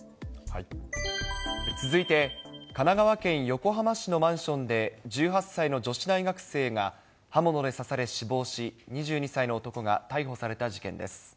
続いて、神奈川県横浜市のマンションで、１８歳の女子大学生が刃物で刺され死亡し、２２歳の男が逮捕された事件です。